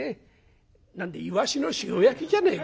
何でえイワシの塩焼きじゃねえか」。